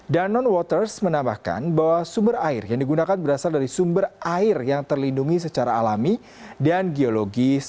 danon waters menambahkan bahwa sumber air yang digunakan berasal dari sumber air yang terlindungi secara alami dan geologis